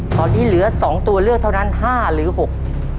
ตอนนี้เหลือสองตัวเลือกเท่านั้นห้าหรือหก